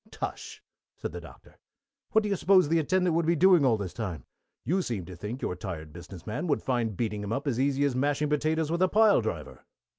"Tush!" said the Doctor. "What do you suppose the attendant would be doing all this time? You seem to think your tired business man would find beating him up as easy as mashing potatoes with a pile driver."